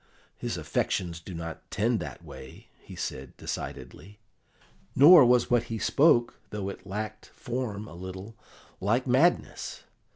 His affections do not tend that way," he said decidedly. "Nor was what he spoke, though it lacked form a little, like madness.